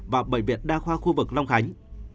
và bệnh viện đa khoa khu vực long khánh